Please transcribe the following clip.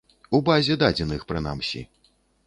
У базе дадзеных, прынамсі.